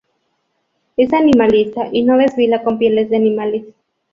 Es animalista y no desfila con pieles de animales.